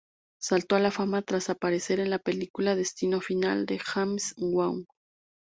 Saltó a la fama tras aparecer en la película "Destino final" de James Wong.